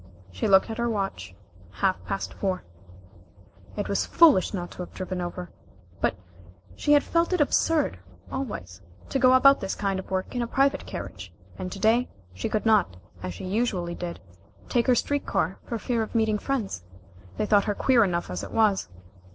She looked at her watch. Half past four. It was foolish not to have driven over, but she had felt it absurd, always, to go about this kind of work in a private carriage, and to day she could not, as she usually did, take a street car for fear of meeting friends. They thought her queer enough as it was.